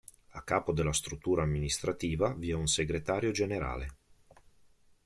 A capo della struttura amministrativa, vi è un Segretario Generale.